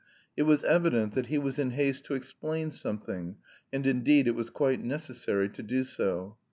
It was evident that he was in haste to explain something, and indeed it was quite necessary to do so.